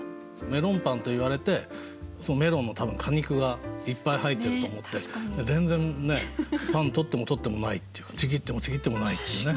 メロンパンと言われてメロンの多分果肉がいっぱい入ってると思って全然パン取っても取ってもないっていうかちぎってもちぎってもないっていうね。